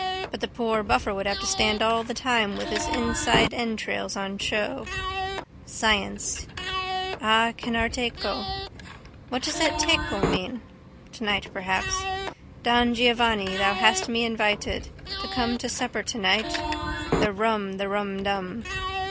But the poor buffer would have to stand all the time with his insides entrails on show. Science. —A cenar teco. What does that teco mean? Tonight perhaps. Don Giovanni, thou hast me invited To come to supper tonight, The rum the rumdum.